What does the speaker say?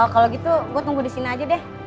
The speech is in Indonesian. kalau gitu gue tunggu di sini aja deh